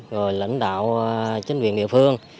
rồi lãnh đạo chính viên địa phương